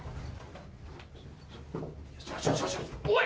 おい！